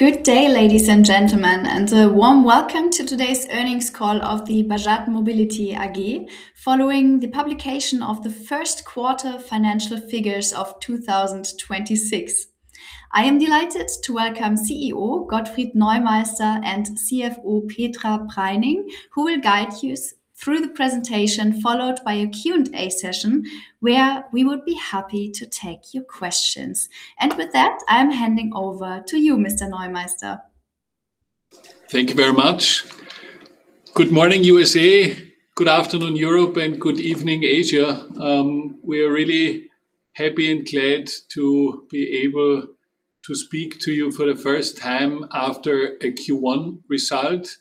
Good day, ladies and gentlemen, and a warm welcome to today's earnings call of the Bajaj Mobility AG following the publication of the first quarter financial figures of 2026. I am delighted to welcome CEO Gottfried Neumeister and CFO Petra Preining, who will guide you through the presentation, followed by a Q&A session, where we would be happy to take your questions. I'm handing over to you, Mr. Neumeister. Thank you very much. Good morning, U.S.A. Good afternoon, Europe, and good evening, Asia. We are really happy and glad to be able to speak to you for the first time after a Q1 result.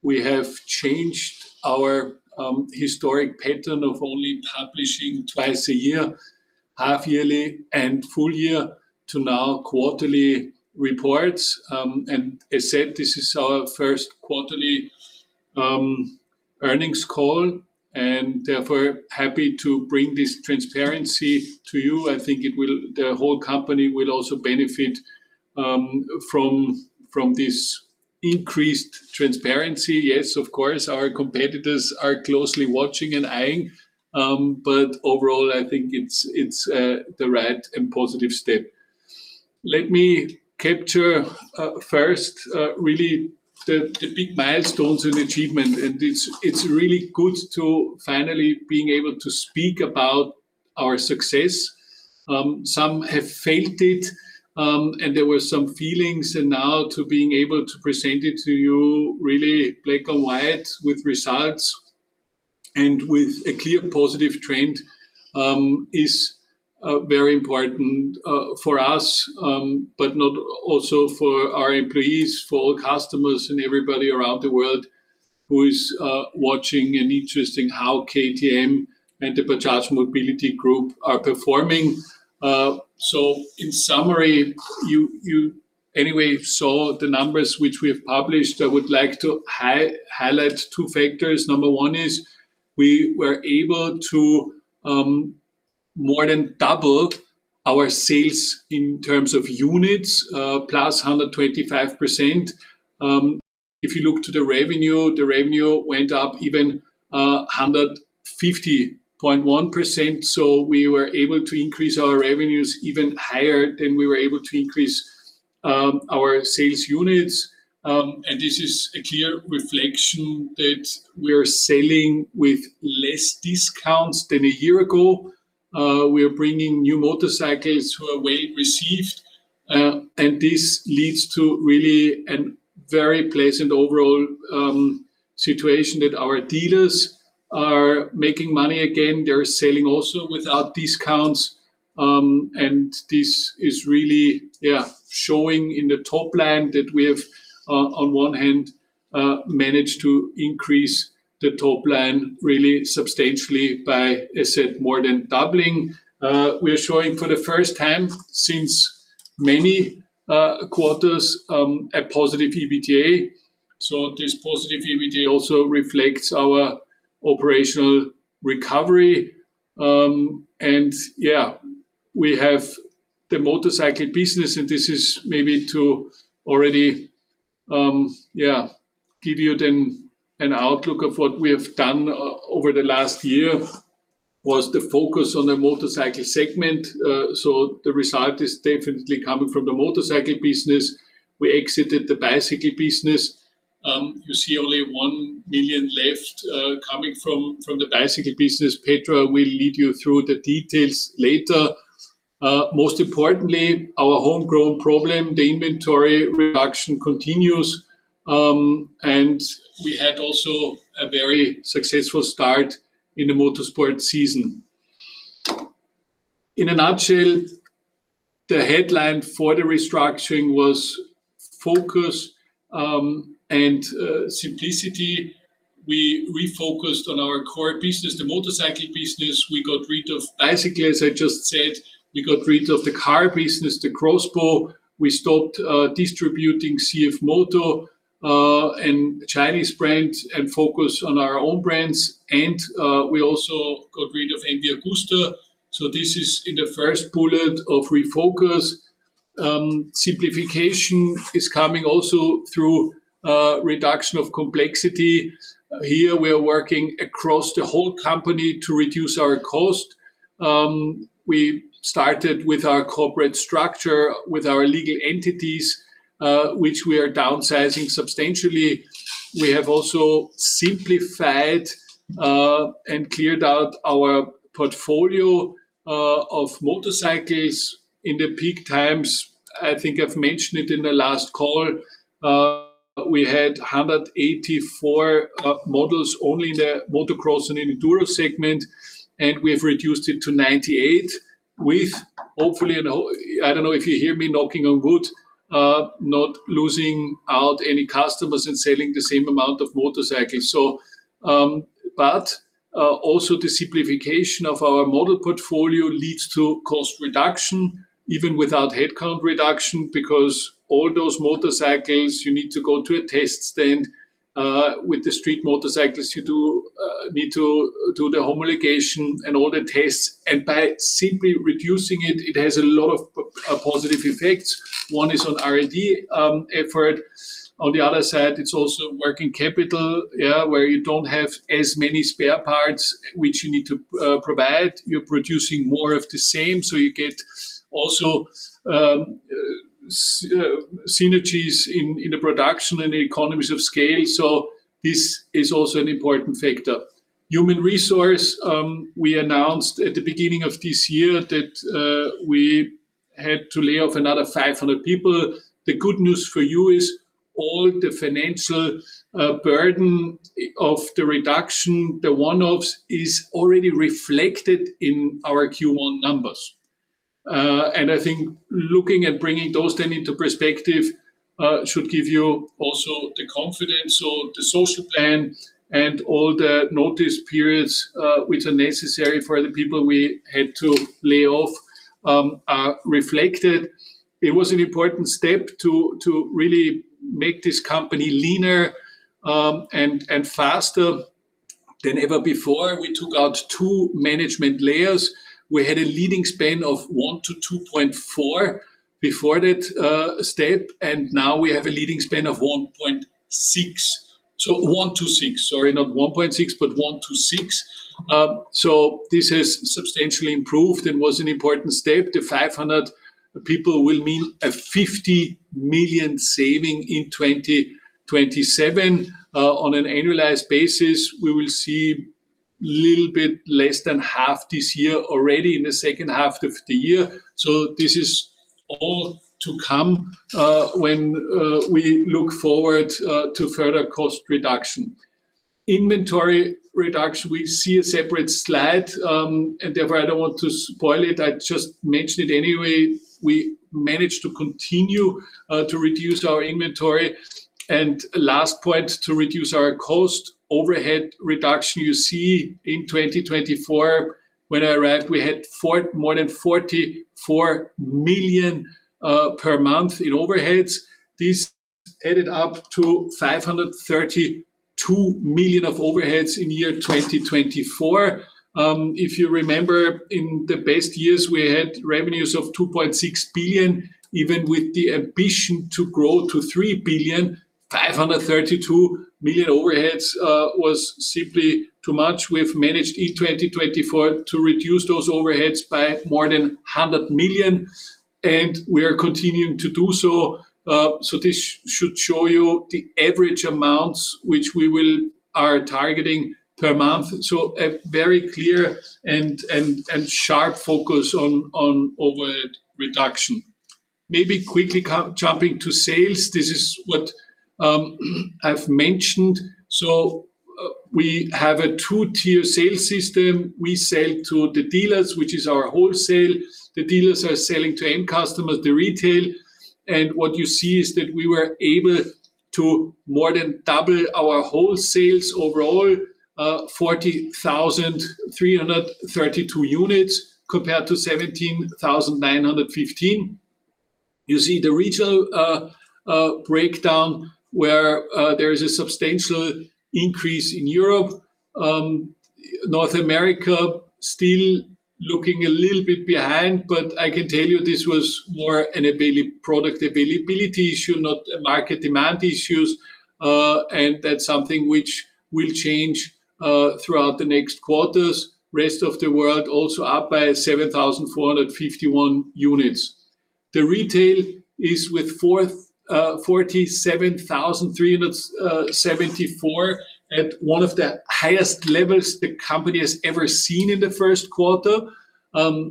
We have changed our historic pattern of only publishing twice a year, half yearly and full year, to now quarterly reports. As said, this is our first quarterly earnings call, and therefore, happy to bring this transparency to you. The whole company will also benefit from this increased transparency. Yes, of course, our competitors are closely watching and eyeing, but overall, I think it's the right and positive step. Let me capture first really the big milestones and achievement, and it's really good to finally being able to speak about our success. Some have felt it, and there were some feelings, and now to being able to present it to you really black and white with results and with a clear positive trend is very important for us, but not also for our employees, for all customers and everybody around the world who is watching and interesting how KTM and Bajaj Mobility are performing. In summary, you anyway saw the numbers which we have published. I would like to highlight two factors. Number one is we were able to more than double our sales in terms of units, +125%. If you look to the revenue, the revenue went up even 150.1%, so we were able to increase our revenues even higher than we were able to increase our sales units. This is a clear reflection that we are selling with less discounts than a year ago. We are bringing new motorcycles who are well received, and this leads to really a very pleasant overall situation that our dealers are making money again. They are selling also without discounts. This is really showing in the top line that we have on one hand managed to increase the top line really substantially by, as said, more than doubling. We are showing for the first time since many quarters a positive EBITDA. This positive EBITDA also reflects our operational recovery. We have the motorcycle business, and this is maybe to already give you then an outlook of what we have done over the last year, was the focus on the motorcycle segment. The result is definitely coming from the motorcycle business. We exited the bicycle business. You see only 1 million left coming from the bicycle business. Petra will lead you through the details later. Most importantly, our homegrown problem, the inventory reduction continues, and we had also a very successful start in the motorsport season. In a nutshell, the headline for the restructuring was focus and simplicity. We refocused on our core business, the motorcycle business. We got rid of bicycles, I just said. We got rid of the car business, the X-BOW. We stopped distributing CFMOTO and Chinese brands and focus on our own brands. We also got rid of MV Agusta. This is in the first bullet of refocus. Simplification is coming also through reduction of complexity. Here, we are working across the whole company to reduce our cost. We started with our corporate structure, with our legal entities, which we are downsizing substantially. We have also simplified and cleared out our portfolio of motorcycles. In the peak times, I think I've mentioned it in the last call, we had 184 models only in the motocross and in Enduro segment, and we have reduced it to 98 with hopefully, and I don't know if you hear me knocking on wood, not losing out any customers and selling the same amount of motorcycles. Also the simplification of our model portfolio leads to cost reduction, even without headcount reduction, because all those motorcycles, you need to go to a test stand. With the street motorcycles, you do need to do the homologation and all the tests. By simply reducing it has a lot of positive effects. One is on R&D effort. On the other side, it's also working capital, where you don't have as many spare parts which you need to provide. You're producing more of the same, you get also synergies in the production and the economies of scale. This is also an important factor. Human resource, we announced at the beginning of this year that we had to lay off another 500 people. The good news for you is all the financial burden of the reduction, the one-offs, is already reflected in our Q1 numbers. I think looking at bringing those then into perspective should give you also the confidence or the social plan and all the notice periods which are necessary for the people we had to lay off are reflected. It was an important step to really make this company leaner and faster than ever before. We took out two management layers. We had a leading span of one to 2.4 before that step, and now we have a leading span of one to six. Sorry, not one to 1.6, but one to six. This has substantially improved and was an important step. The 500 people will mean a 50 million saving in 2027 on an annualized basis. We will see little bit less than half this year already in the second half of the year. This is all to come when we look forward to further cost reduction. Inventory reduction we see a separate slide and therefore I don't want to spoil it. I just mention it anyway. We managed to continue to reduce our inventory. Last point to reduce our cost overhead reduction you see in 2024 when I arrived we had more than 44 million per month in overheads. This added up to 532 million of overheads in year 2024. If you remember in the best years we had revenues of 2.6 billion. Even with the ambition to grow to 3 billion, 532 million overheads was simply too much. We've managed in 2024 to reduce those overheads by more than 100 million, and we are continuing to do so. This should show you the average amounts which we will are targeting per month. A very clear and sharp focus on overhead reduction. Maybe quickly jumping to sales. This is what I've mentioned. We have a two-tier sales system. We sell to the dealers, which is our wholesale. The dealers are selling to end customers, the retail. What you see is that we were able to more than double our wholesales overall, 40,332 units compared to 17,915. You see the retail breakdown where there is a substantial increase in Europe. North America still looking a little bit behind, but I can tell you this was more a product availability issue, not a market demand issue. That's something which will change throughout the next quarters. Rest of the world also up by 7,451 units. The retail is with 47,374, at one of the highest levels the company has ever seen in the first quarter.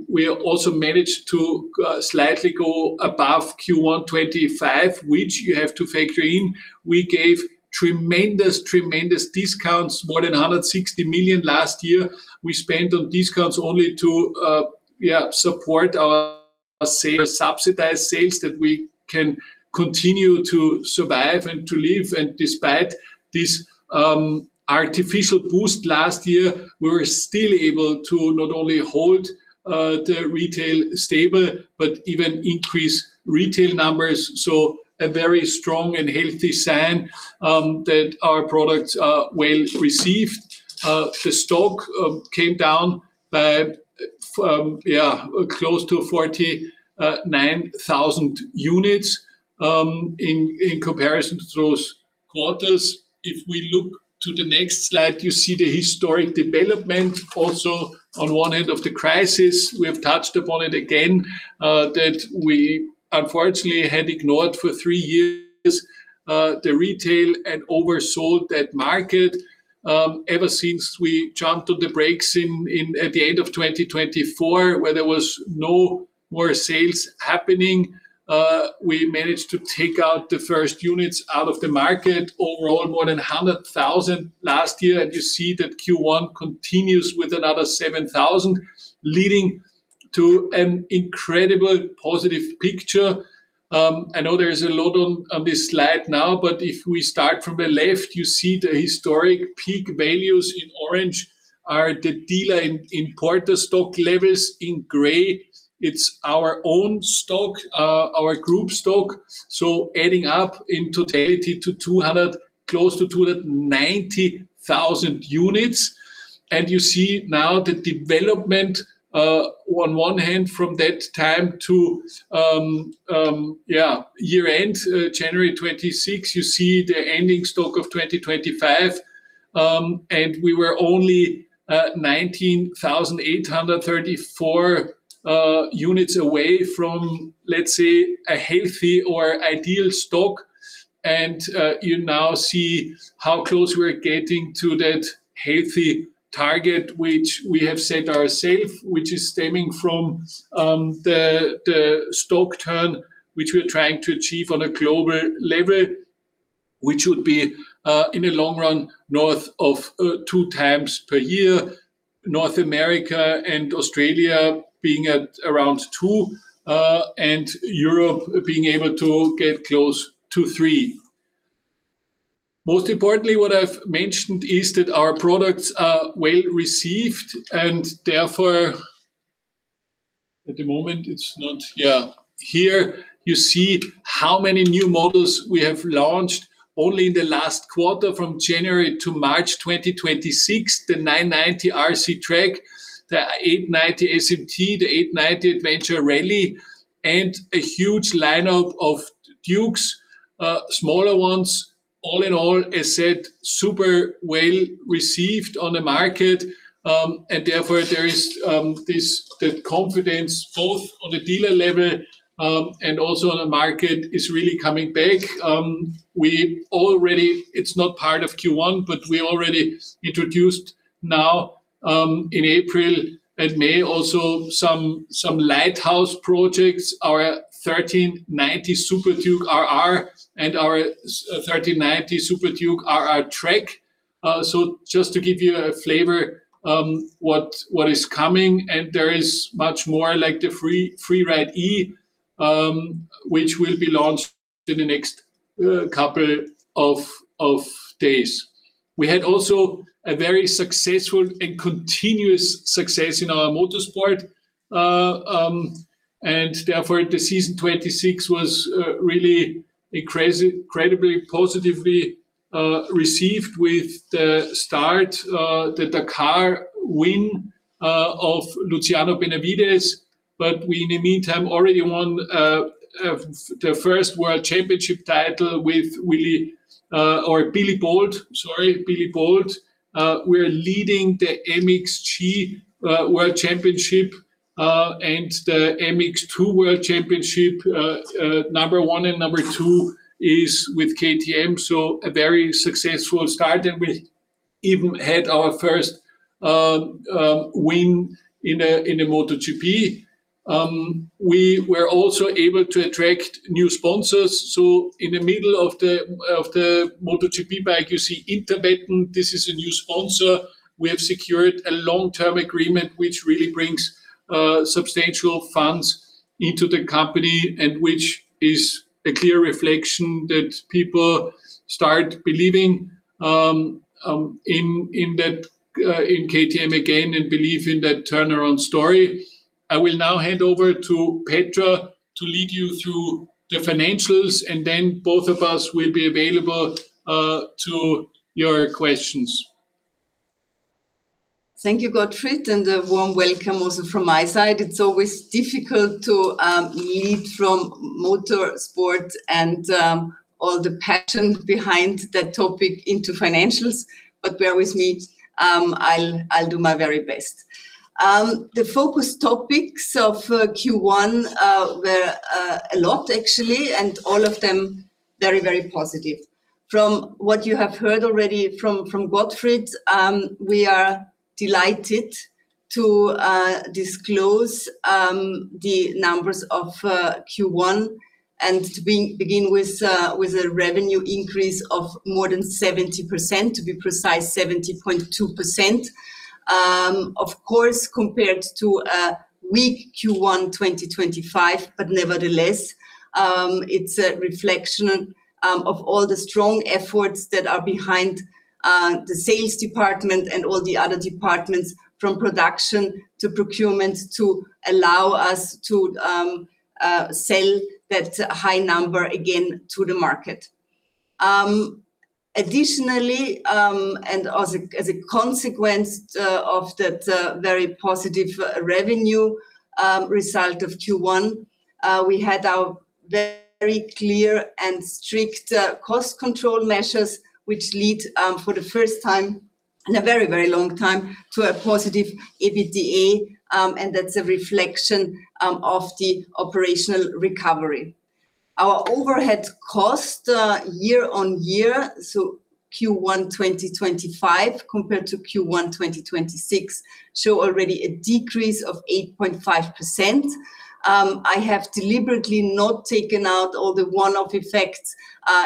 We also managed to slightly go above Q1 2025, which you have to factor in. We gave tremendous discounts. More than 160 million last year we spent on discounts only to support our sale, subsidized sales that we can continue to survive and to live. Despite this, artificial boost last year, we were still able to not only hold the retail stable, but even increase retail numbers. A very strong and healthy sign that our products are well received. The stock came down by close to 49,000 units in comparison to those quarters. If we look to the next slide, you see the historic development also on one end of the crisis. We have touched upon it again, that we unfortunately had ignored for three years, the retail and oversold that market. Ever since we jumped on the brakes in at the end of 2024, where there was no more sales happening, we managed to take out the first units out of the market. Overall, more than 100,000 last year. You see that Q1 continues with another 7,000, leading to an incredible positive picture. I know there is a lot on this slide now, but if we start from the left, you see the historic peak values in orange. Are the dealer and importer stock levels in gray. It's our own stock, our group stock. Adding up in totality to 200, close to 290,000 units. You see now the development on one hand from that time to year-end, January 2026, you see the ending stock of 2025. We were only 19,834 units away from, let's say, a healthy or ideal stock. You now see how close we're getting to that healthy target which we have set ourself, which is stemming from the stock turn which we're trying to achieve on a global level, which would be in the long run, north of 2x per year. North America and Australia being at around two, and Europe being able to get close to three. Most importantly, what I've mentioned is that our products are well-received and therefore At the moment it's not Yeah. Here you see how many new models we have launched only in the last quarter from January to March 2026. The 990 RC R Track, the 890 SMT, the 890 Adventure R Rally, and a huge lineup of Dukes, smaller ones. All in all, as said, super well-received on the market. Therefore there is this, that confidence both on the dealer level and also on the market is really coming back. It's not part of Q1, but we already introduced now in April and May also some lighthouse projects. Our 1390 Super Duke RR and our 1390 Super Duke RR Track. Just to give you a flavor what is coming, and there is much more like the Freeride E which will be launched in the next couple of days. We had also a very successful and continuous success in our motorsport. Therefore the season 2026 was really incredibly positively received with the start, the Dakar win of Luciano Benavides. We in the meantime already won the first World Championship title with Billy Bolt. Sorry, Billy Bolt. We're leading the MXGP World Championship and the MX2 World Championship. Number one and number two is with KTM, so a very successful start, and we even had our first win in a MotoGP. We were also able to attract new sponsors. In the middle of the MotoGP pack, you see Interwetten. This is a new sponsor. We have secured a long-term agreement which really brings substantial funds into the company and which is a clear reflection that people start believing in KTM again and believe in that turnaround story. I will now hand over to Petra to lead you through the financials, and then both of us will be available to your questions. Thank you, Gottfried, and a warm welcome also from my side. It's always difficult to lead from motorsport and all the passion behind that topic into financials, but bear with me. I'll do my very best. The focus topics of Q1 were a lot actually, and all of them very, very positive. From what you have heard already from Gottfried, we are delighted to disclose the numbers of Q1, and to begin with a revenue increase of more than 70%, to be precise, 70.2%. Of course, compared to a weak Q1 2025, but nevertheless, it's a reflection of all the strong efforts that are behind the sales department and all the other departments from production to procurement to allow us to sell that high number again to the market. Additionally, and as a consequence of that very positive revenue result of Q1, we had our very clear and strict cost control measures which lead for the first time in a very, very long time to a positive EBITDA, and that's a reflection of the operational recovery. Our overhead cost year-over-year, so Q1 2025 compared to Q1 2026, show already a decrease of 8.5%. I have deliberately not taken out all the one-off effects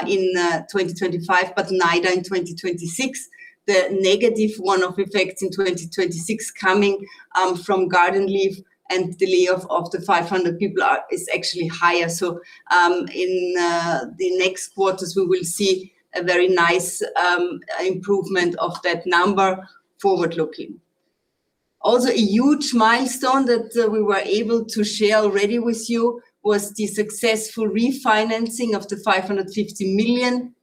in 2025, but neither in 2026. The negative one-off effects in 2026 coming from garden leave and the leave of the 500 people is actually higher. In the next quarters, we will see a very nice improvement of that number forward-looking. Also, a huge milestone that we were able to share already with you was the successful refinancing of 550 million.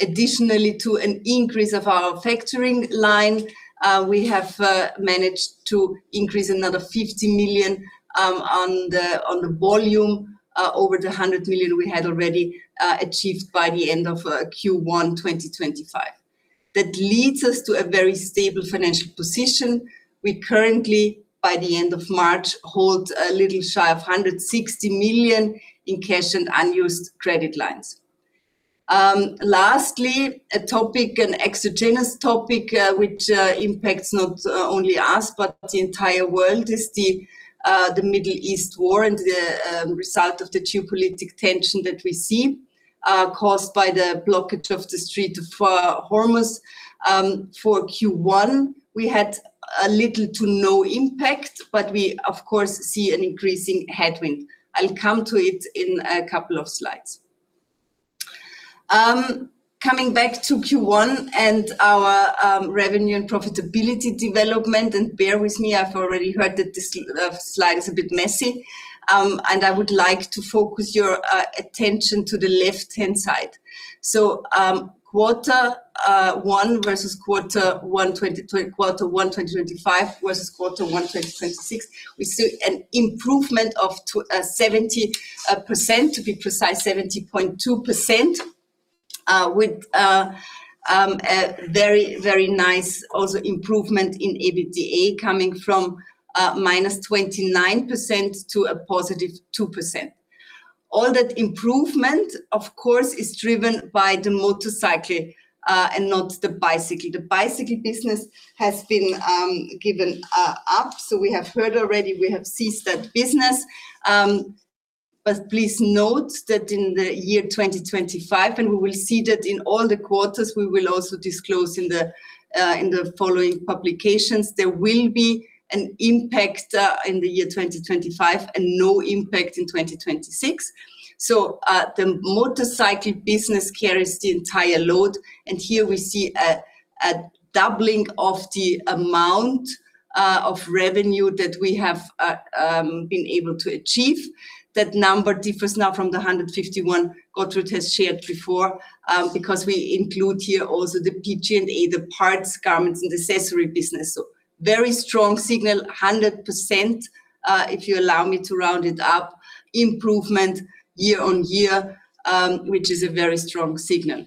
Additionally to an increase of our factoring line, we have managed to increase another 50 million on the volume over the 100 million we had already achieved by the end of Q1 2025. That leads us to a very stable financial position. We currently, by the end of March, hold a little shy of 160 million in cash and unused credit lines. Lastly, a topic, an exogenous topic, which impacts not only us, but the entire world is the Middle East war and the result of the geopolitical tension that we see caused by the blockage of the Strait of Hormuz. For Q1, we had a little to no impact, but we, of course, see an increasing headwind. I'll come to it in a couple of slides. Coming back to Q1 and our revenue and profitability development, bear with me, I've already heard that this slide is a bit messy. I would like to focus your attention to the left-hand side. Quarter one versus quarter one 2025 versus quarter one 2026, we see an improvement of 70%, to be precise, 70.2%, with a very, very nice also improvement in EBITDA coming from minus 29% to a positive 2%. All that improvement, of course, is driven by the motorcycle and not the bicycle. The bicycle business has been given up. We have heard already we have ceased that business. Please note that in the year 2025, and we will see that in all the quarters, we will also disclose in the following publications, there will be an impact in the year 2025 and no impact in 2026. The motorcycle business carries the entire load, and here we see a doubling of the amount of revenue that we have been able to achieve. That number differs now from the 151 Gottfried has shared before, because we include here also the PG&A, the parts, garments, and accessory business. Very strong signal, 100%, if you allow me to round it up, improvement year on year, which is a very strong signal.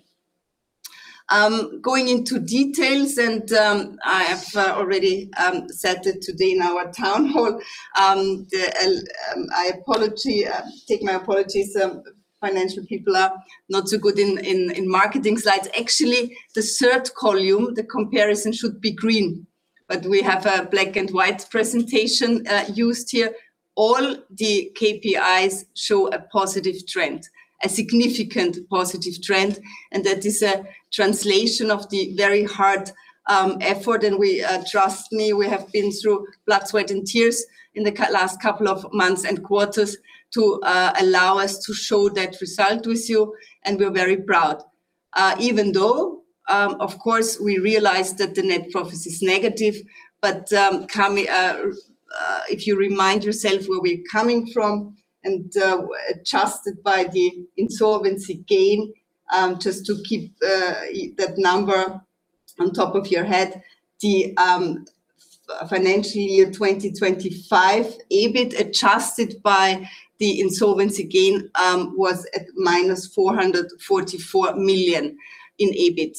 Going into details, I have already said it today in our town hall. I apologize, take my apologies. Financial people are not so good in marketing slides. Actually, the third column, the comparison should be green, but we have a black and white presentation used here. All the KPIs show a positive trend, a significant positive trend, and that is a translation of the very hard effort. We trust me, we have been through blood, sweat, and tears in the last couple of months and quarters to allow us to show that result with you, and we're very proud. Even though of course we realize that the net profit is negative, but coming if you remind yourself where we're coming from and adjusted by the insolvency gain just to keep that number on top of your head the financial year 2025 EBIT adjusted by the insolvency gain was at -444 million in EBIT.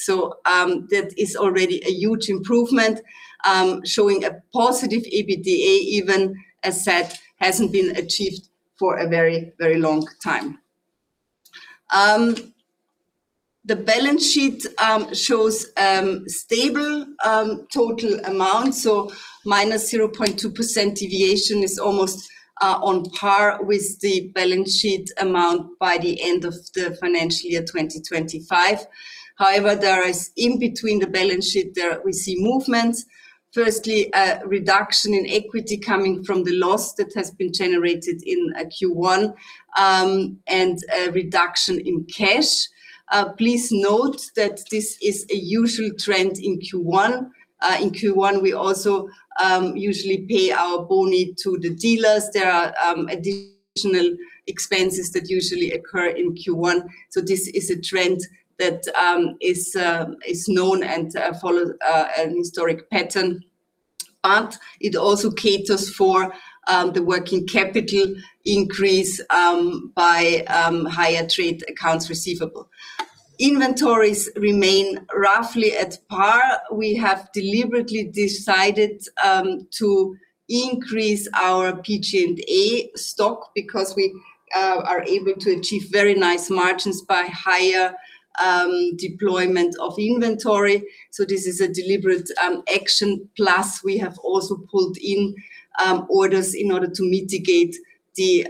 That is already a huge improvement showing a positive EBITDA even as said hasn't been achieved for a very very long time. The balance sheet shows stable total amount. -0.2% deviation is almost on par with the balance sheet amount by the end of the financial year 2025. However, there is in between the balance sheet, there we see movements. Firstly, a reduction in equity coming from the loss that has been generated in Q1, and a reduction in cash. Please note that this is a usual trend in Q1. In Q1, we also usually pay our bonus to the dealers. There are additional expenses that usually occur in Q1. This is a trend that is known and follows an historic pattern. It also caters for the working capital increase by higher trade accounts receivable. Inventories remain roughly at par. We have deliberately decided to increase our PG&A stock because we are able to achieve very nice margins by higher deployment of inventory. This is a deliberate action. Plus we have also pulled in orders in order to mitigate the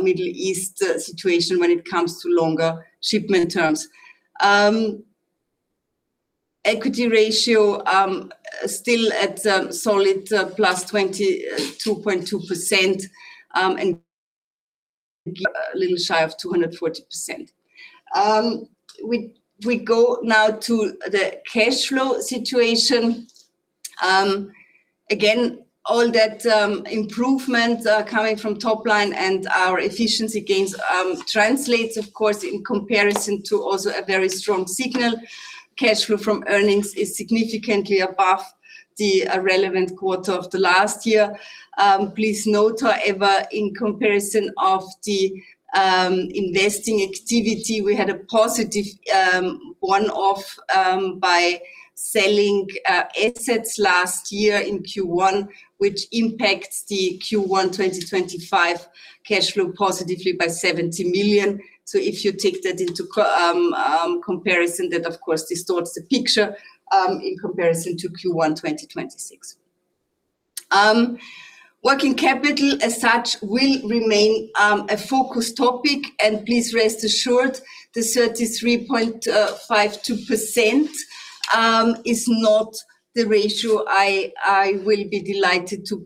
Middle East situation when it comes to longer shipment terms. Equity ratio still at solid +22.2%, and a little shy of 240%. We go now to the cash flow situation. Again all that improvement coming from top line and our efficiency gains translates of course in comparison to also a very strong signal. Cash flow from earnings is significantly above the relevant quarter of the last year. Please note, however, in comparison of the investing activity, we had a positive one-off by selling assets last year in Q1, which impacts the Q1 2025 cash flow positively by 70 million. If you take that into comparison, that of course distorts the picture in comparison to Q1 2026. Working capital as such will remain a focus topic, and please rest assured the 33.52% is not the ratio I will be delighted to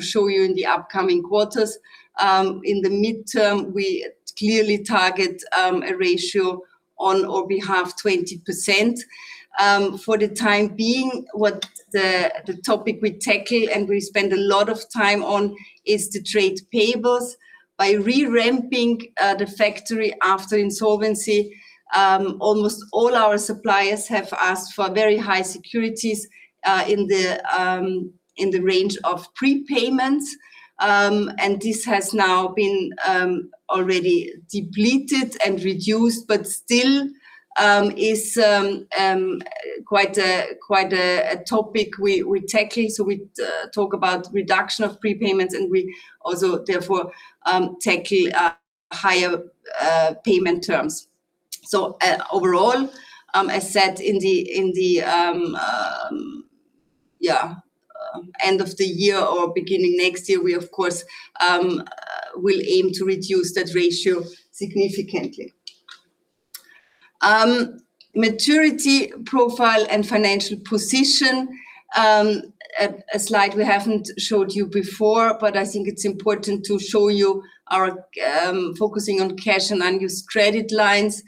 show you in the upcoming quarters. In the midterm, we clearly target a ratio on our behalf 20%. For the time being, what the topic we tackle and we spend a lot of time on is the trade payables. By re-ramping the factory after insolvency, almost all our suppliers have asked for very high securities in the range of prepayments. This has now been already depleted and reduced, but still is quite a topic we're tackling. We talk about reduction of prepayments and we also therefore tackle higher payment terms. Overall, as said in the end of the year or beginning next year, we of course will aim to reduce that ratio significantly. Maturity profile and financial position. A slide we haven't showed you before, but I think it's important to show you our focusing on cash and unused credit lines.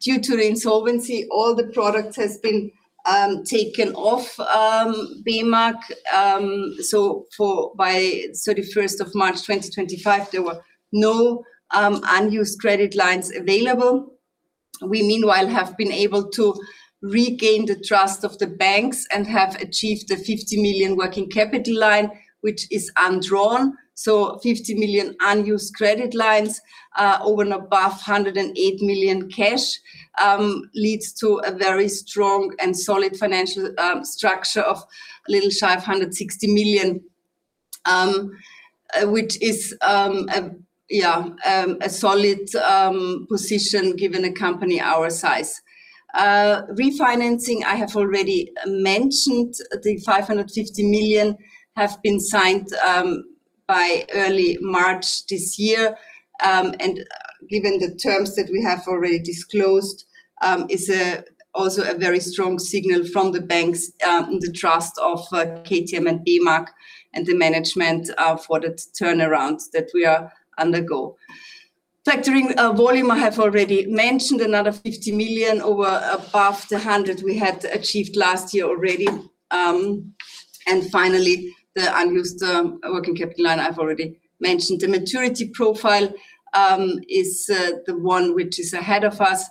Due to the insolvency, all the product has been taken off BMH. For by 31st of March 2025, there were no unused credit lines available. We meanwhile have been able to regain the trust of the banks and have achieved a 50 million working capital line, which is undrawn. Fifty million unused credit lines over and above 108 million cash leads to a very strong and solid financial structure of a little shy of 160 million, which is a yeah a solid position given a company our size. Refinancing, I have already mentioned. The 550 million have been signed by early March this year. Given the terms that we have already disclosed is also a very strong signal from the banks in the trust of KTM and BMH and the management for the turnarounds that we are undergo. Factoring volume I have already mentioned. Another 50 million over above the 100 million we had achieved last year already. Finally the unused working capital line I've already mentioned. The maturity profile is the one which is ahead of us.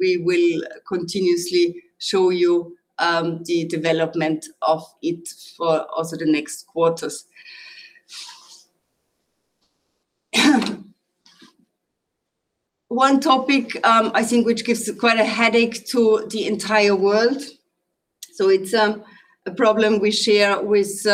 We will continuously show you the development of it for also the next quarters. One topic I think which gives quite a headache to the entire world so it's a problem we share with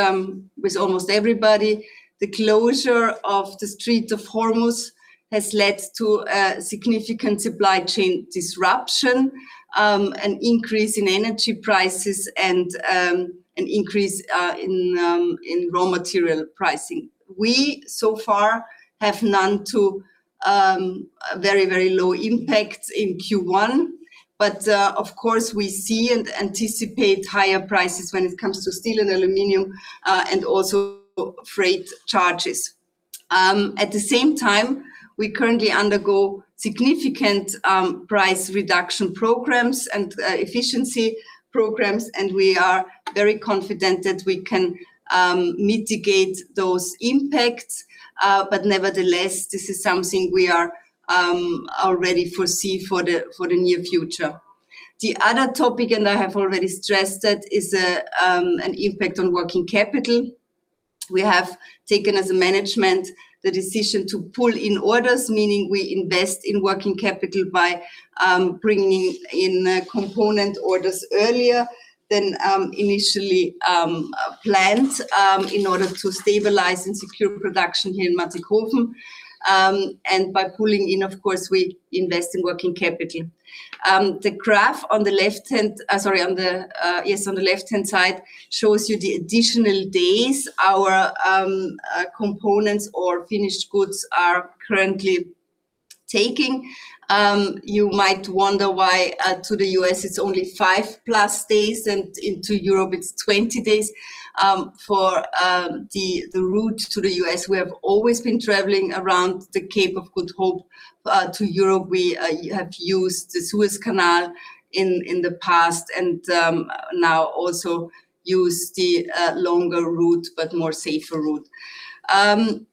almost everybody. The closure of the Strait of Hormuz has led to a significant supply chain disruption, an increase in energy prices and an increase in raw material pricing. We so far have none to very low impacts in Q1, but of course, we see and anticipate higher prices when it comes to steel and aluminum and also freight charges. At the same time, we currently undergo significant price reduction programs and efficiency programs, and we are very confident that we can mitigate those impacts. Nevertheless, this is something we are already foresee for the near future. The other topic, and I have already stressed it, is an impact on working capital. We have taken as a management the decision to pull in orders, meaning we invest in working capital by bringing in component orders earlier than initially planned in order to stabilize and secure production here in Mattighofen. By pulling in, of course, we invest in working capital. The graph on the left-hand side shows you the additional days our components or finished goods are currently taking. You might wonder why to the U.S. it's only five-plus days and into Europe it's 20 days. For the route to the U.S. we have always been traveling around the Cape of Good Hope. To Europe we have used the Suez Canal in the past and now also use the longer route but more safer route.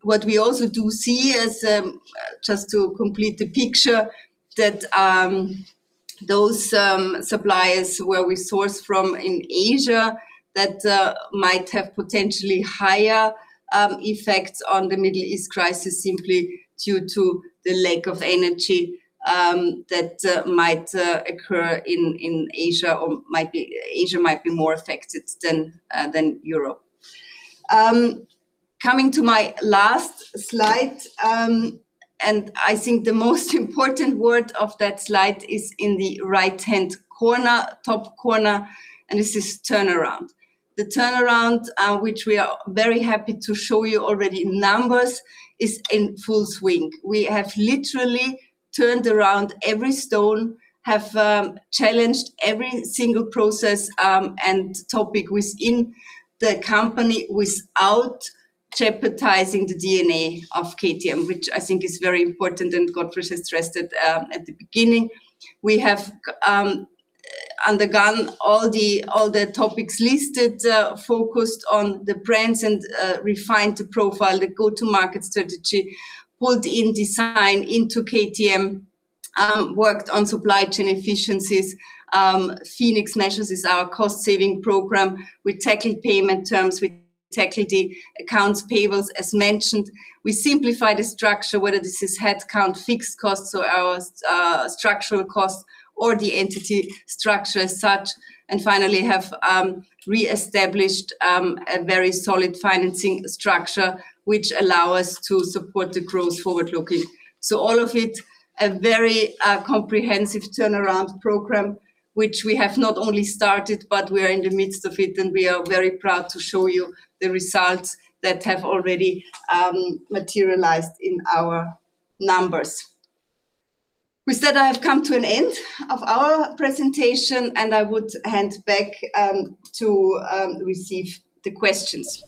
What we also do see is just to complete the picture that those suppliers where we source from in Asia that might have potentially higher effects on the Middle East crisis simply due to the lack of energy that might occur in Asia or Asia might be more affected than Europe. Coming to my last slide and I think the most important word of that slide is in the right-hand corner top corner and this is turnaround. The turnaround which we are very happy to show you already in numbers is in full swing. We have literally turned around every stone, have challenged every single process and topic within the company without jeopardizing the DNA of KTM, which I think is very important, and Gottfried has stressed it at the beginning. We have undergone all the topics listed focused on the brands and refined the profile the go-to-market strategy pulled in design into KTM worked on supply chain efficiencies. Phoenix Measures is our cost saving program. We tackled payment terms. We tackled the accounts payables as mentioned. We simplified the structure whether this is headcount fixed costs or our structural costs or the entity structure as such and finally have reestablished a very solid financing structure which allow us to support the growth forward-looking. All of it a very comprehensive turnaround program, which we have not only started, but we are in the midst of it, and we are very proud to show you the results that have already materialized in our numbers. With that, I have come to an end of our presentation, and I would hand back to receive the questions.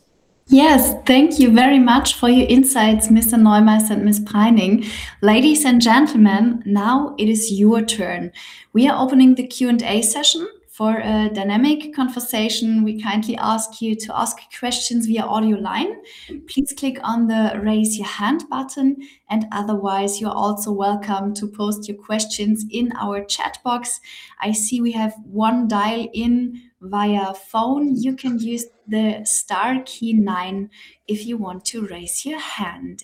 Yes. Thank you very much for your insights, Mr. Neumeister and Ms. Preining. Ladies and gentlemen, now it is your turn. We are opening the Q&A session for a dynamic conversation. We kindly ask you to ask questions via audio line. Please click on the Raise Your Hand button, and otherwise you are also welcome to post your questions in our chat box. I see we have one dial in via phone. You can use the star key nine if you want to raise your hand.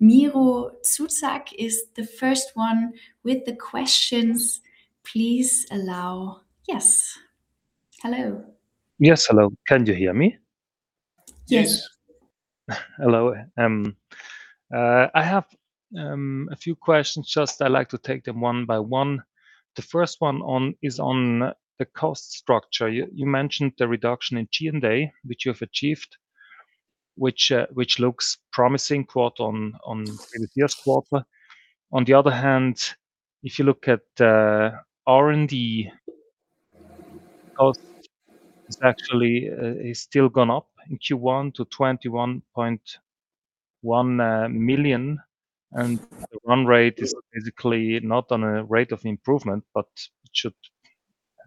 Miro Zuzak is the first one with the questions. Please allow Yes. Hello. Yes. Hello. Can you hear me? Yes. Yes. Hello. I have a few questions, just I like to take them one by one. The first one on is on the cost structure. You mentioned the reduction in G&A which you have achieved, which looks promising quote on on the previous quarter. On the other hand, if you look at R&D cost is actually is still gone up in Q1 to 21.1 million, and the run rate is basically not on a rate of improvement, but it should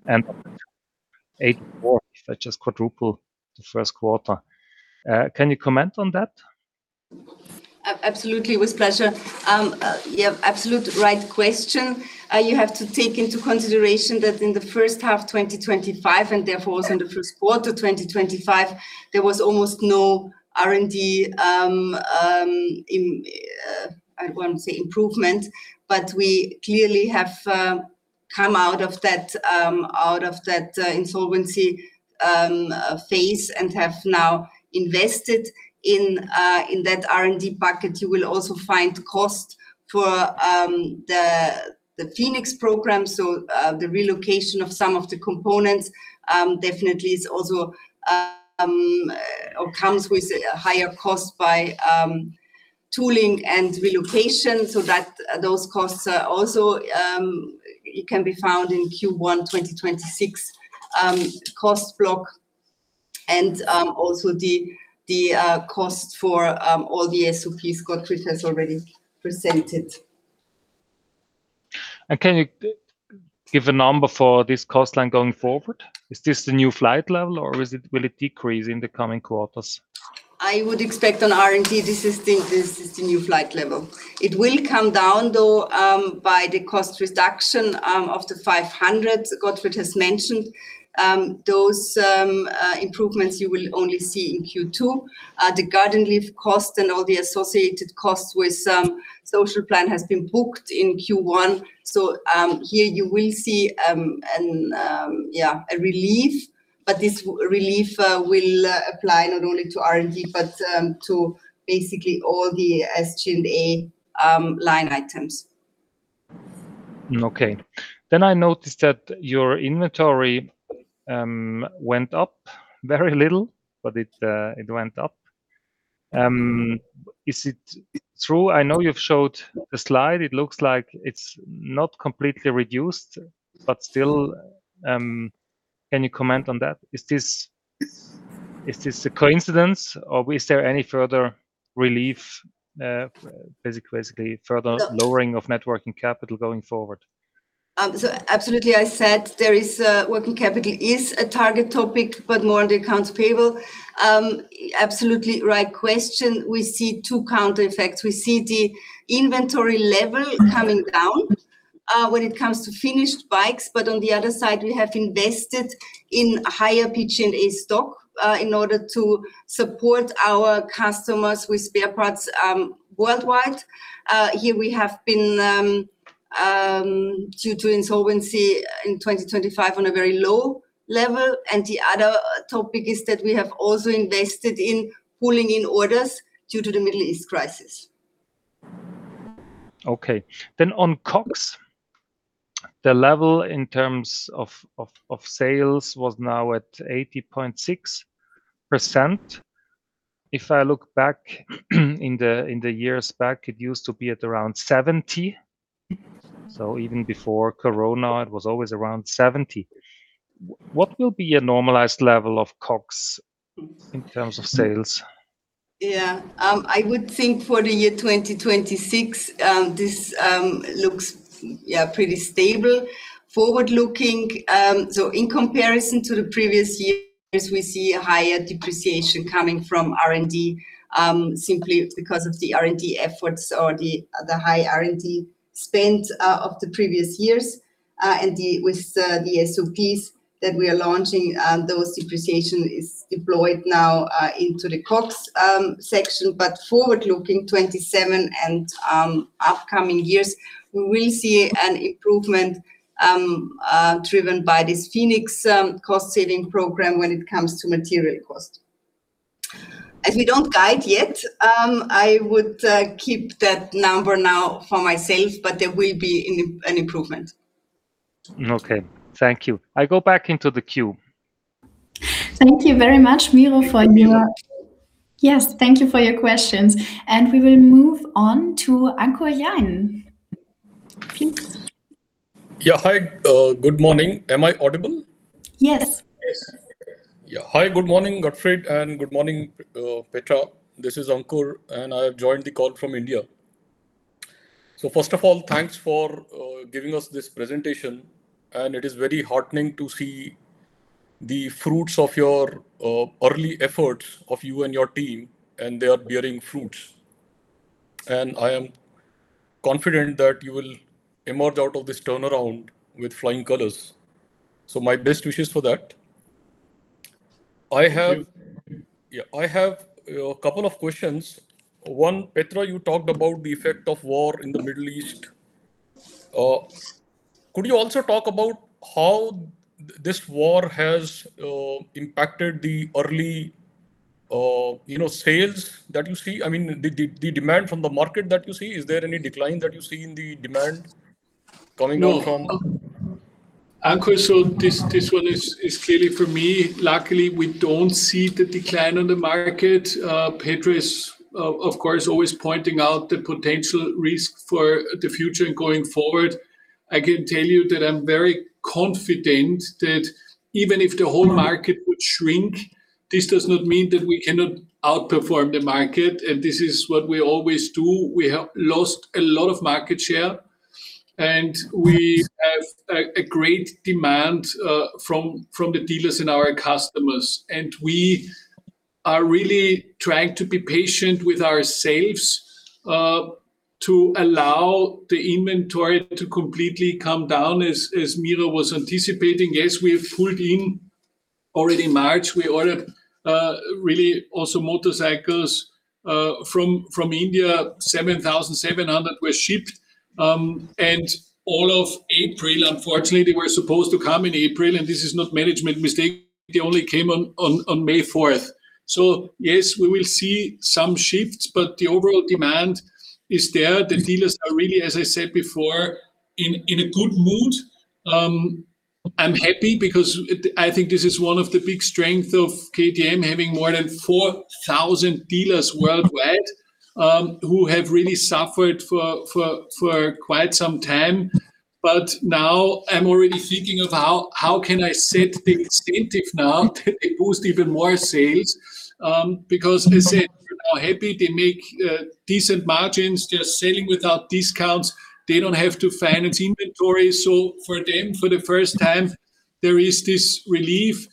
end at 8 more, if I just quadruple the first quarter. Can you comment on that? Absolutely. With pleasure. Yeah, absolute right question. You have to take into consideration that in the first half 2025, and therefore also in the first quarter 2025, there was almost no R&D, I wouldn't say improvement, but we clearly have come out of that insolvency phase and have now invested in that R&D bucket. You will also find cost for the Phoenix program. The relocation of some of the components definitely is also or comes with a higher cost by tooling and relocation, so that those costs are also it can be found in Q1 2026 cost block, and also the cost for all the SOPs Gottfried has already presented. Can you give a number for this cost line going forward? Is this the new flight level, or is it, will it decrease in the coming quarters? I would expect on R&D this is the new flight level. It will come down, though, by the cost reduction of the 500 Gottfried has mentioned. Those improvements you will only see in Q2. The garden leave cost and all the associated costs with social plan has been booked in Q1. Here you will see a relief, but this relief will apply not only to R&D, but to basically all the SG&A line items. Okay. I noticed that your inventory went up very little, but it went up. Is it true? I know you've showed the slide. It looks like it's not completely reduced, but still, can you comment on that? Is this a coincidence, or is there any further relief, basically further lowering of net working capital going forward? Absolutely, I said there is, working capital is a target topic, but more on the accounts payable. Absolutely right question. We see two counter effects. We see the inventory level coming down. When it comes to finished bikes. On the other side, we have invested in higher pitch in e-stock, in order to support our customers with spare parts, worldwide. Here we have been due to insolvency in 2025 on a very low level. The other topic is that we have also invested in pulling in orders due to the Middle East crisis. Okay. on COGS, the level in terms of sales was now at 80.6%. If I look back, in the years back, it used to be at around 70%. even before Corona, it was always around 70%. what will be a normalized level of COGS in terms of sales? Yeah. I would think for the year 2026, this looks pretty stable. Forward-looking, in comparison to the previous years, we see a higher depreciation coming from R&D, simply because of the R&D efforts or the high R&D spend of the previous years. With the SOPs that we are launching, those depreciation is deployed now into the COGS section. Forward-looking 2027 and upcoming years, we will see an improvement driven by this Phoenix cost saving program when it comes to material cost. As we don't guide yet, I would keep that number now for myself, but there will be an improvement. Okay. Thank you. I go back into the queue. Thank you very much Miro. Thank you, Miro. Yes, thank you for your questions. We will move on to Ankur Jain. Please. Yeah, hi. Good morning. Am I audible? Yes. Yes. Yeah. Hi. Good morning, Gottfried, and good morning, Petra. This is Ankur, and I have joined the call from India. First of all, thanks for giving us this presentation, and it is very heartening to see the fruits of your early efforts of you and your team, and they are bearing fruits. I am confident that you will emerge out of this turnaround with flying colors, so my best wishes for that. Yeah, I have a couple of questions. One, Petra, you talked about the effect of war in the Middle East. Could you also talk about how this war has impacted the early, you know, sales that you see? I mean, the demand from the market that you see, is there any decline that you see in the demand coming out from. No. Ankur, this one is clearly for me. Luckily, we don't see the decline on the market. Petra is, of course, always pointing out the potential risk for the future and going forward. I can tell you that I'm very confident that even if the whole market would shrink, this does not mean that we cannot outperform the market, and this is what we always do. We have lost a lot of market share, and we have a great demand from the dealers and our customers. We are really trying to be patient with ourselves to allow the inventory to completely come down, as Miro was anticipating. Yes, we have pulled in already March. We ordered really also motorcycles from India, 7,700 were shipped. All of April, unfortunately, they were supposed to come in April, and this is not management mistake, they only came on May 4th. Yes, we will see some shifts, but the overall demand is there. The dealers are really, as I said before, in a good mood. I'm happy because it, I think this is one of the big strength of KTM having more than 4,000 dealers worldwide, who have really suffered for quite some time. Now I'm already thinking of how can I set the incentive now to boost even more sales, because as I said, they're now happy. They make decent margins just selling without discounts. They don't have to finance inventory. For them, for the first time, there is this relief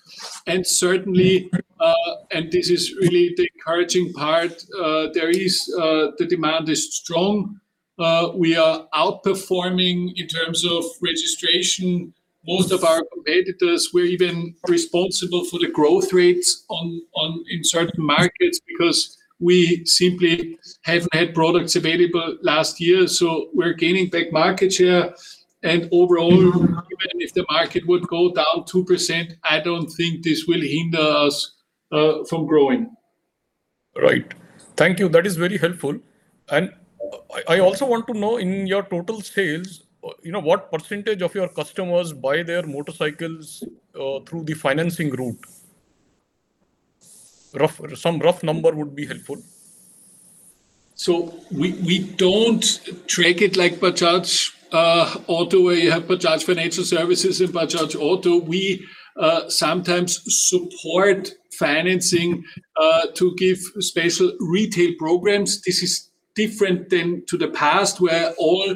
and certainly, and this is really the encouraging part. There is, the demand is strong. We are outperforming in terms of registration most of our competitors. We're even responsible for the growth rates on in certain markets because we simply haven't had products available last year, so we're gaining back market share. Overall, even if the market would go down 2%, I don't think this will hinder us from growing Right. Thank you. That is very helpful. I also want to know, in your total sales, you know, what percentage of your customers buy their motorcycles through the financing route? Some rough number would be helpful. We don't track it like Bajaj Auto, where you have Bajaj Financial Services in Bajaj Auto. We sometimes support financing to give special retail programs. This is different than to the past, where all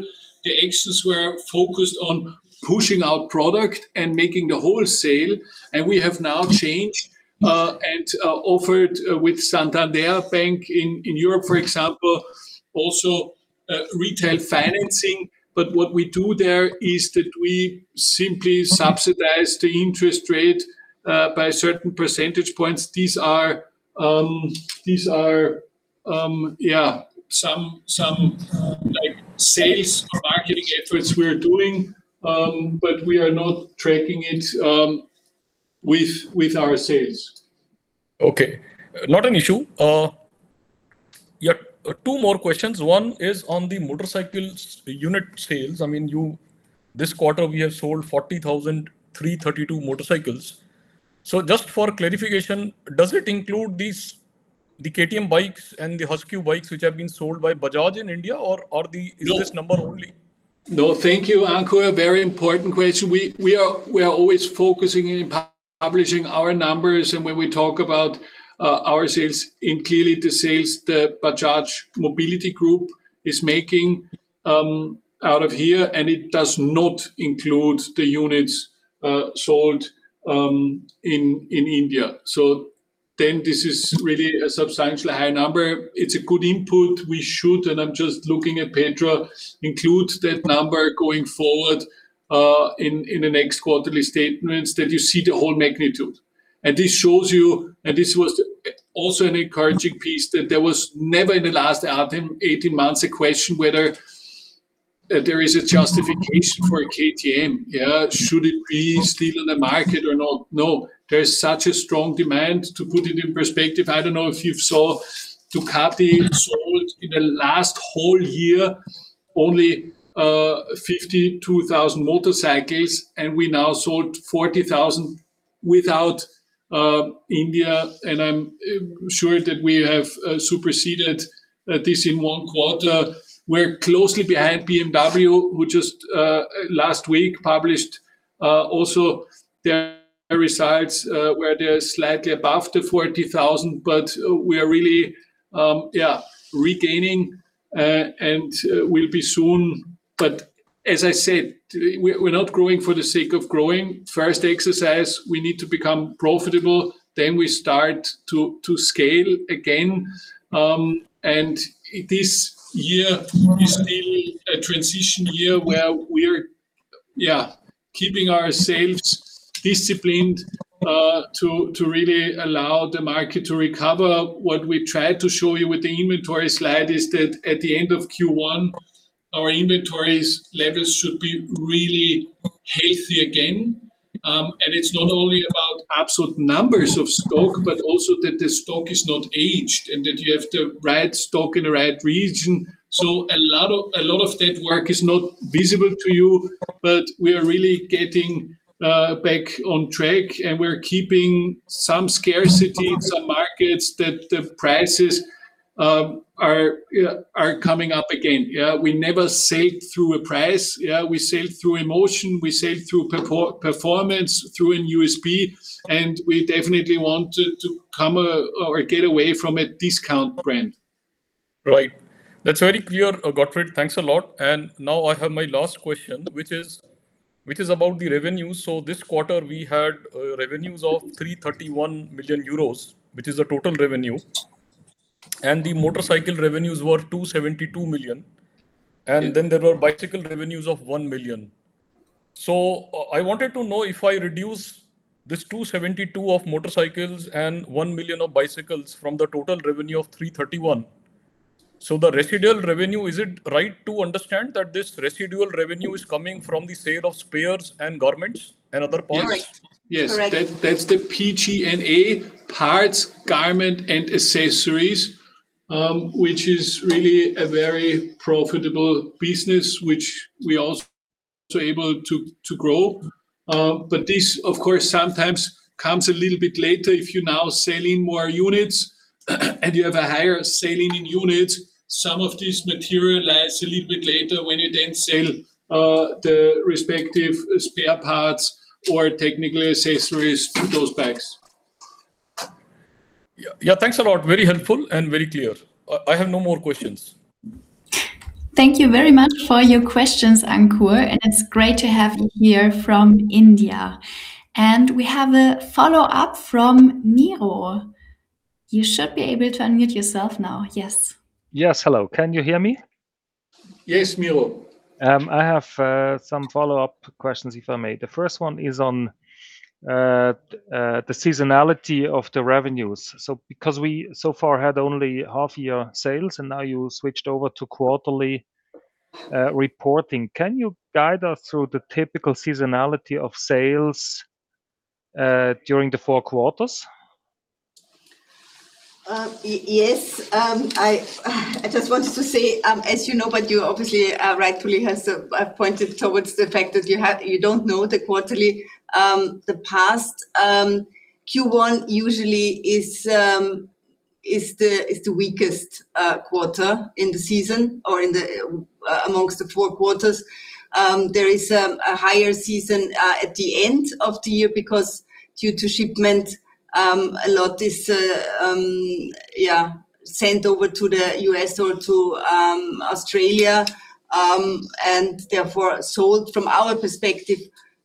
the actions were focused on pushing out product and making the wholesale, and we have now changed and offered with Santander Bank in Europe, for example, also retail financing. What we do there is that we simply subsidize the interest rate by certain percentage points. These are yeah some like sales or marketing efforts we are doing. We are not tracking it with our sales. Okay. Not an issue. Yeah, two more questions. One is on the motorcycles unit sales. I mean, this quarter we have sold 40,332 motorcycles. Just for clarification, does it include these, the KTM bikes and the Husqvarna bikes which have been sold by Bajaj in India or is this number only? No. Thank you, Ankur. A very important question. We are always focusing in publishing our numbers, and when we talk about our sales, clearly the sales the Bajaj Mobility Group is making out of here, and it does not include the units sold in India. This is really a substantially higher number. It's a good input. We should, and I'm just looking at Petra, include that number going forward in the next quarterly statements that you see the whole magnitude. This shows you, and this was also an encouraging piece, that there was never in the last, I think, 18 months a question whether there is a justification for a KTM. Yeah. Should it be still in the market or not? No. There is such a strong demand. To put it in perspective, I don't know if you saw Ducati sold in the last whole year only, 52,000 motorcycles, and we now sold 40,000 without, India, and I'm sure that we have, superseded, this in one quarter. We're closely behind BMW, who just, last week published, also their results, where they're slightly above the 40,000, but we are really, regaining. We'll be soon. As I said, we're not growing for the sake of growing. First exercise, we need to become profitable, then we start to scale again. This year is really a transition year where we're, keeping ourselves disciplined, to really allow the market to recover. What we tried to show you with the inventory slide is that at the end of Q1, our inventory levels should be really healthy again. It's not only about absolute numbers of stock, but also that the stock is not aged and that you have the right stock in the right region. A lot of that work is not visible to you, but we are really getting back on track, and we're keeping some scarcity in some markets that the prices are coming up again. Yeah. We never sell through a price. Yeah. We sell through emotion, we sell through performance, through USP, and we definitely want to come or get away from a discount brand. Right. That's very clear, Gottfried. Thanks a lot. Now I have my last question, which is about the revenue. This quarter we had revenues of 331 million euros, which is the total revenue. The motorcycle revenues were 272 million. Yeah. There were bicycle revenues of 1 million. I wanted to know if I reduce this 272 of motorcycles and 1 million of bicycles from the total revenue of 331, so the residual revenue, is it right to understand that this residual revenue is coming from the sale of spares and garments and other parts? You're right. Correct. Yes. That's the PG&A, parts, garment, and accessories, which is really a very profitable business, which we also able to grow. This, of course, sometimes comes a little bit later if you're now selling more units and you have a higher selling in units. Some of this materialize a little bit later when you then sell the respective spare parts or technical accessories with those bikes. Yeah. Yeah, thanks a lot. Very helpful and very clear. I have no more questions. Thank you very much for your questions, Ankur, and it's great to have you here from India. We have a follow-up from Miro. You should be able to unmute yourself now. Yes. Yes. Hello. Can you hear me? Yes, Miro. I have some follow-up questions, if I may. The first one is on the seasonality of the revenues. Because we so far had only half year sales, and now you switched over to quarterly reporting. Can you guide us through the typical seasonality of sales during the four quarters? Yes. I just wanted to say, as you know, but you obviously, rightfully has pointed towards the fact that You don't know the quarterly, the past. Q1 usually is the weakest quarter in the season or in the amongst the four quarters. There is a higher season at the end of the year because due to shipment, a lot is sent over to the U.S. or to Australia, and therefore sold from our perspective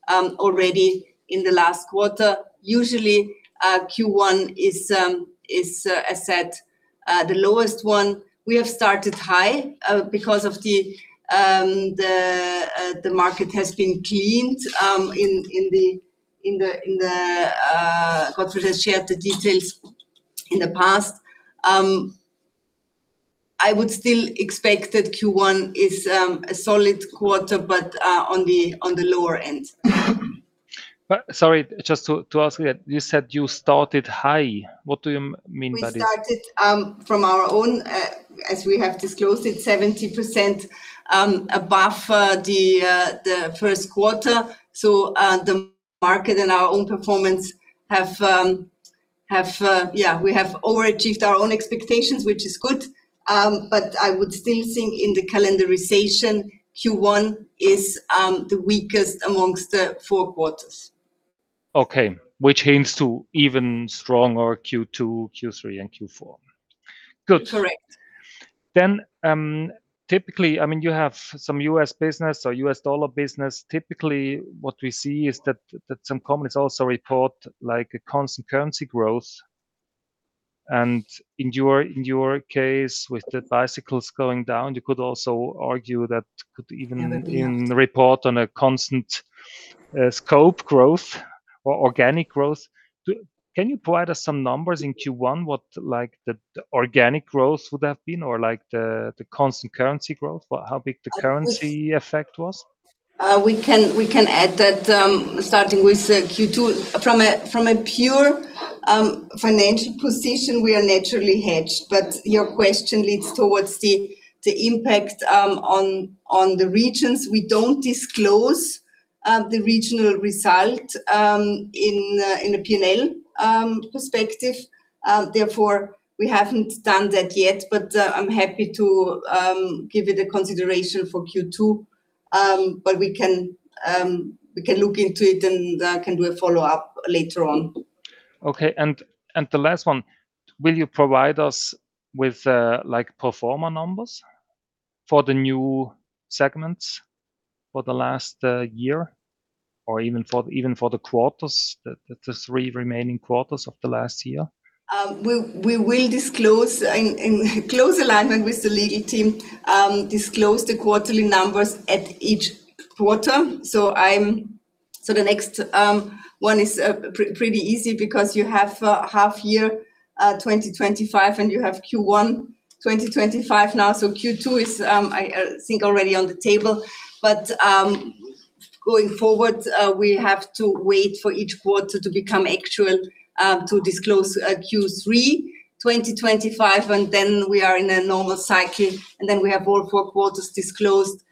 already in the last quarter. Usually, Q1 is a set the lowest one. We have started high, because of the market has been cleaned. Gottfried has shared the details in the past. I would still expect that Q1 is a solid quarter, but on the lower end. Sorry, just to ask again. You said you started high. What do you mean by this? We started from our own, as we have disclosed it, 70% above the first quarter. The market and our own performance have overachieved our own expectations, which is good. I would still think in the calendarization, Q1 is the weakest amongst the four quarters. Okay. Which hints to even stronger Q2, Q3 and Q4. Good. Correct. Typically, I mean, you have some US business or US dollar business. Typically, what we see is that some companies also report, like, a constant currency growth. In your case, with the bicycles going down, you could also argue that. Yeah. In report on a constant, scope growth or organic growth, can you provide us some numbers in Q1 what, like, the organic growth would have been, or, like, the constant currency growth, or how big the currency effect was? We can add that, starting with Q2. From a pure financial position, we are naturally hedged, but your question leads towards the impact on the regions. We don't disclose the regional result in a P&L perspective, therefore we haven't done that yet. I'm happy to give it a consideration for Q2. We can look into it, and can do a follow-up later on. Okay. The last one, will you provide us with, like, pro forma numbers for the new segments for the last year, or even for the quarters, the three remaining quarters of the last year? We will disclose in close alignment with the legal team disclose the quarterly numbers at each quarter. The next one is pretty easy because you have half year 2025 and you have Q1 2025 now. Q2 is I think already on the table. Going forward we have to wait for each quarter to become actual to disclose Q3 2025 and then we are in a normal cycle and then we have all four quarters disclosed.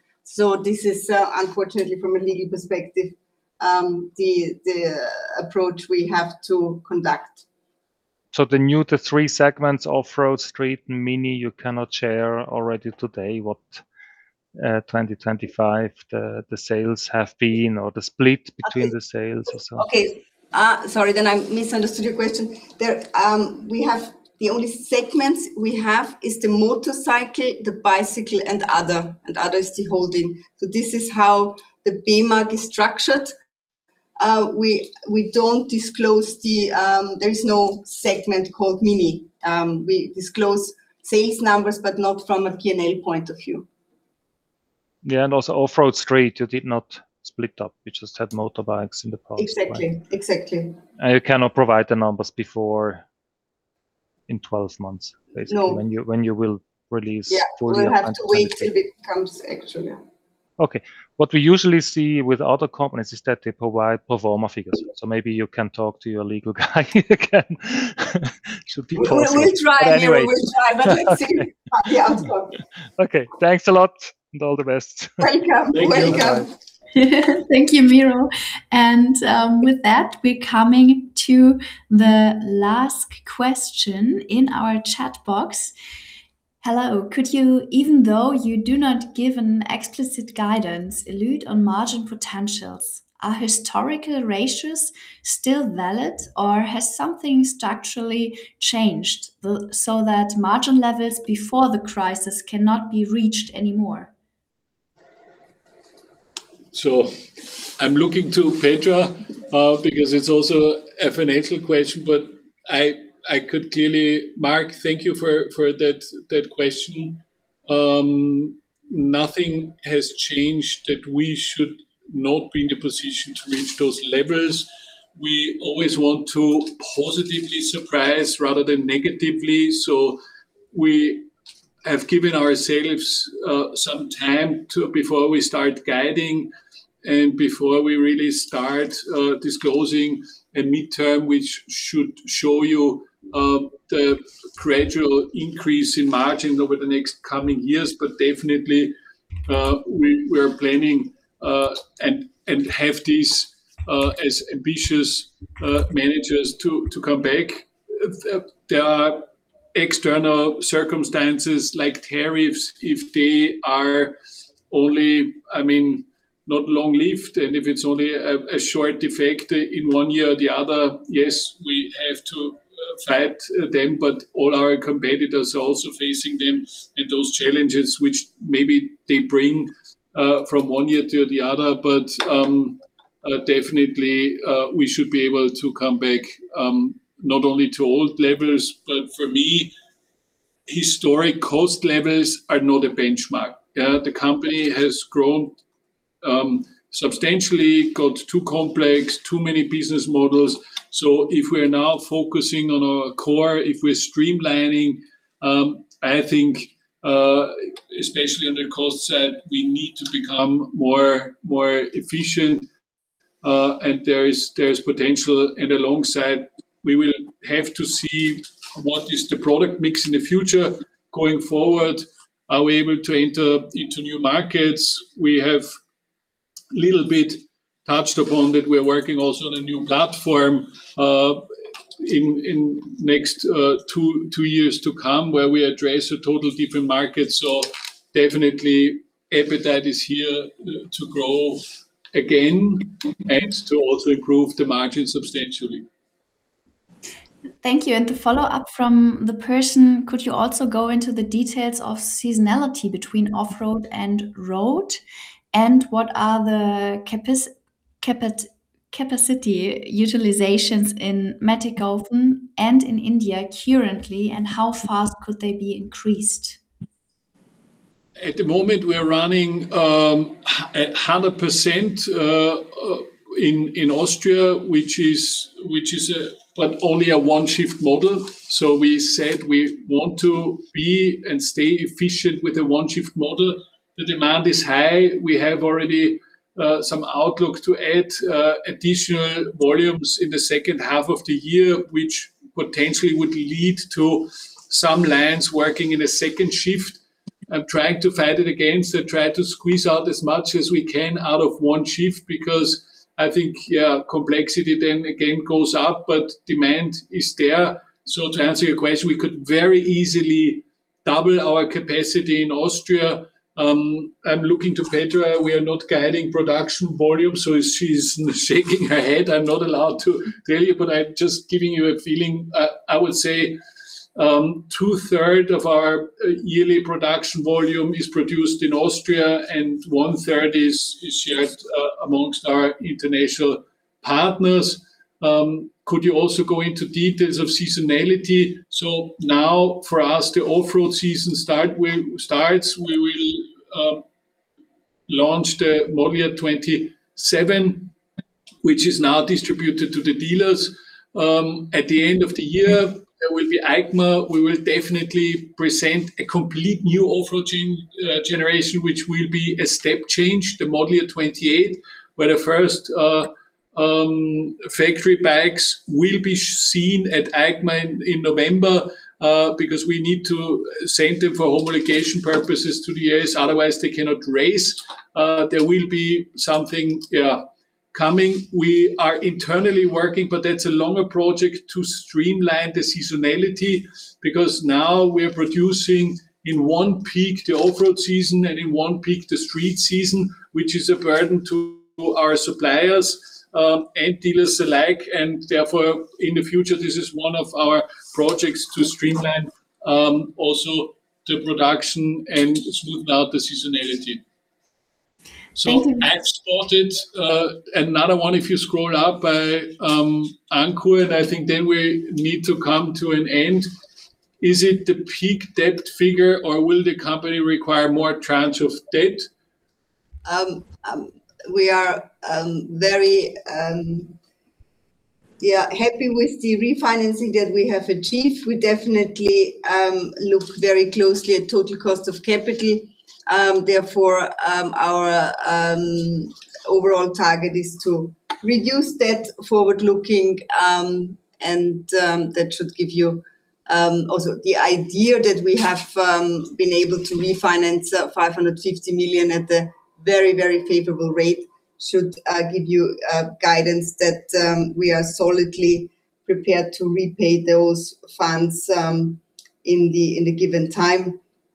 This is unfortunately from a legal perspective the approach we have to conduct. The new, the three segments, off-road, street, mini, you cannot share already today what, 2025 the sales have been or the split between the sales or something? Okay. Sorry, I misunderstood your question. There, we have the only segments we have is the motorcycle, the bicycle and other, and other is the holding. This is how the BMAG is structured. We don't disclose the. There is no segment called mini. We disclose sales numbers, but not from a P&L point of view. Yeah, also off-road, street, you did not split up. You just had motorbikes in the past, right? Exactly. you cannot provide the numbers before in 12 months, basically. No. When you will release fully in 2025. We'll have to wait till it becomes actual, yeah. Okay. What we usually see with other companies is that they provide pro forma figures. maybe you can talk to your legal guy again to be possible. We'll try anyway. Anyways. We'll try, but let's see the outcome. Okay. Thanks a lot, and all the best. Welcome. Welcome. Thank you, Miro. With that, we're coming to the last question in our chat box. Hello, could you, even though you do not give an explicit guidance, elaborate on margin potentials? Are historical ratios still valid, or has something structurally changed, so that margin levels before the crisis cannot be reached anymore? I'm looking to Petra because it's also a financial question, but I could clearly Mark, thank you for that question. Nothing has changed that we should not be in the position to reach those levels. We always want to positively surprise rather than negatively, so we have given ourselves some time before we start guiding and before we really start disclosing a midterm, which should show you the gradual increase in margin over the next coming years. definitely we're planning and have these as ambitious managers to come back. There are external circumstances like tariffs, if they are only, I mean, not long-lived, and if it's only a short effect in one year or the other, yes, we have to fight them, but all our competitors are also facing them, and those challenges which maybe they bring from one year to the other. Definitely, we should be able to come back, not only to old levels, but for me, historic cost levels are not a benchmark. The company has grown substantially, got too complex, too many business models. If we're now focusing on our core, if we're streamlining, I think especially on the cost side, we need to become more efficient. There is potential, and alongside, we will have to see what is the product mix in the future. Going forward, are we able to enter into new markets? We have little bit touched upon that we're working also on a new platform, in next two years to come, where we address a totally different market. Definitely appetite is here to grow again and to also improve the margin substantially. Thank you. To follow up from the person, could you also go into the details of seasonality between off-road and road, and what are the capacity utilizations in Mattighofen and in India currently, and how fast could they be increased? At the moment, we are running a 100% in Austria, which is but only a one-shift model. We said we want to be and stay efficient with a one-shift model. The demand is high. We have already some outlook to add additional volumes in the second half of the year, which potentially would lead to some lines working in a second shift. I'm trying to fight it against and try to squeeze out as much as we can out of one shift because I think, yeah, complexity then again goes up, but demand is there. To answer your question, we could very easily double our capacity in Austria. I'm looking to Petra. We are not guiding production volume, so she's shaking her head. I'm not allowed to tell you, but I'm just giving you a feeling. I would say, 2/3 of our yearly production volume is produced in Austria, and 1/3 is shared amongst our international partners. Could you also go into details of seasonality? Now for us, the off-road season starts. We will launch the model year 2027, which is now distributed to the dealers. At the end of the year, there will be EICMA. We will definitely present a complete new off-road generation, which will be a step change, the model year 2028, where the first factory bikes will be seen at EICMA in November, because we need to send them for homologation purposes to the U.S., otherwise they cannot race. There will be something, yeah, coming. We are internally working, but that's a longer project to streamline the seasonality, because now we're producing in one peak the off-road season and in one peak the street season, which is a burden to our suppliers and dealers alike. Therefore, in the future, this is one of our projects to streamline also the production and smoothen out the seasonality. Thank you. I've spotted another one, if you scroll up, by Ankur, and I think then we need to come to an end. Is it the peak debt figure, or will the company require more tranche of debt? We are very yeah happy with the refinancing that we have achieved. We definitely look very closely at total cost of capital. Our overall target is to reduce debt forward-looking. That should give you also the idea that we have been able to refinance 550 million at a very very favorable rate should give you guidance that we are solidly prepared to repay those funds in the given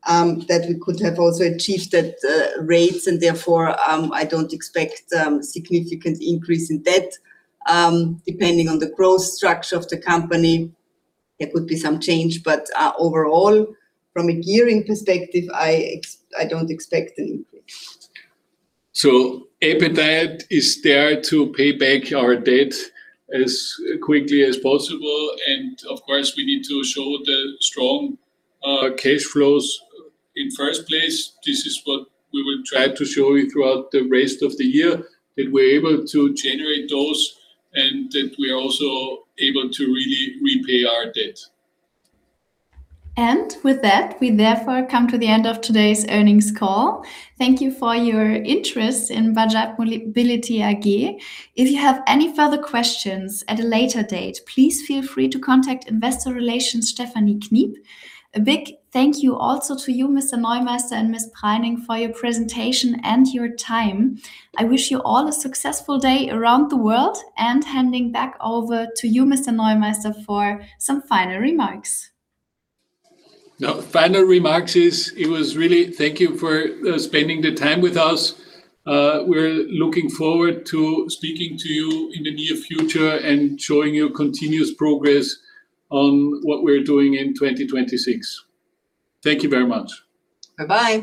time that we could have also achieved at rates. I don't expect significant increase in debt. Depending on the growth structure of the company there could be some change but overall from a gearing perspective I don't expect an increase. Appetite is there to pay back our debt as quickly as possible, and of course, we need to show the strong cash flows in first place. This is what we will try to show you throughout the rest of the year, that we're able to generate those, and that we are also able to really repay our debt. With that, we therefore come to the end of today's earnings call. Thank you for your interest in Bajaj Mobility AG. If you have any further questions at a later date, please feel free to contact Investor Relations, Stephanie Kniep. A big thank you also to you, Mr. Neumeister and Ms. Preining, for your presentation and your time. I wish you all a successful day around the world, and handing back over to you, Mr. Neumeister, for some final remarks. No. Final remarks is, it was really Thank you for spending the time with us. We're looking forward to speaking to you in the near future and showing you continuous progress on what we're doing in 2026. Thank you very much. Bye-bye.